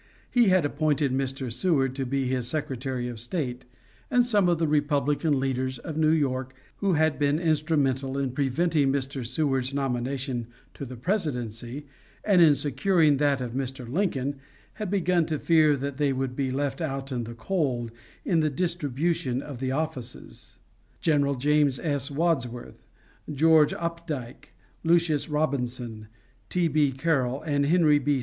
He had appointed Mr. Seward to be his Secretary of State, and some of the Republican leaders of New York who had been instrumental in preventing Mr. Seward's nomination to the presidency, and in securing that of Mr. Lincoln, had begun to fear that they would be left out in the cold in the distribution of the offices. General James S. Wadsworth, George Opdyke, Lucius Robinson, T. B. Carroll, and Henry B.